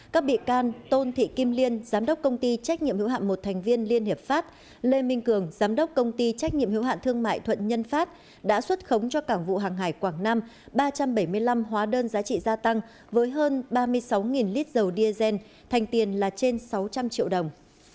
các bị can tôn thị kim liên giám đốc công ty trách nhiệm hữu hạm một thành viên liên hiệp pháp lê minh cường giám đốc công ty trách nhiệm hữu hạn thương mại thuận nhân pháp đã xuất khống cho cảng vụ hàng hải quảng nam ba trăm bảy mươi năm hóa đơn giá trị gia tăng với hơn ba mươi sáu lít dầu diesel thành tiền là trên sáu trăm linh triệu đồng